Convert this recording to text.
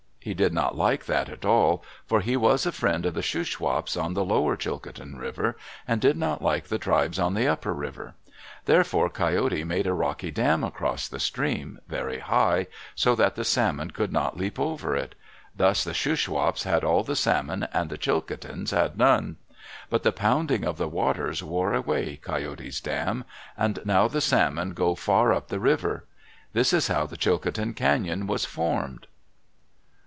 He did not like that at all, for he was a friend of the Shuswaps on the lower Chilcotin River, and did not like the tribes on the upper river. Therefore Coyote made a rocky dam across the stream, very high, so that the salmon could not leap over it. Thus the Shuswaps had all the salmon and the Chilcotins had none. But the pounding of the waters wore away Coyote's dam, and now the salmon go far up the river. This is how the Chilcotin Cañon was formed.